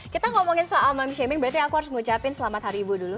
kita ngomongin soal mom shaming berarti aku harus ngucapin selamat hari ibu dulu